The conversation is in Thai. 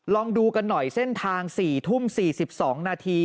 ลองดูกันหน่อยเส้นทาง๔ทุ่ม๔๒นาที